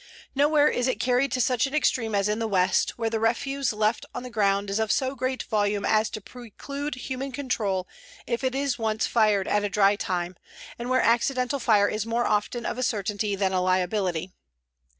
Nowhere is it carried to such an extreme as in the West, where the refuse left on the ground is of so great volume as to preclude human control if it is once fired at a dry time, and where accidental fire is often more of a certainty than a liability.